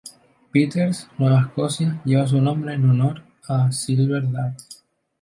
Peter's, Nueva Escocia, lleva su nombre en honor al "Silver Dart".